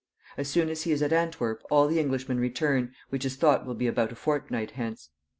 As soon as he is at Antwerp all the Englishmen return, which is thought will be about a fortnight hence....